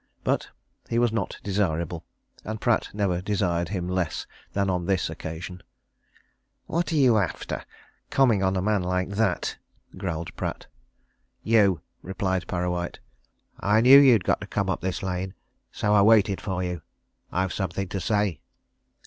But he was not desirable ... and Pratt never desired him less than on this occasion. "What are you after coming on a man like that!" growled Pratt. "You," replied Parrawhite. "I knew you'd got to come up this lane, so I waited for you. I've something to say."